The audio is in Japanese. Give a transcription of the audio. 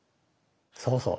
そうそう。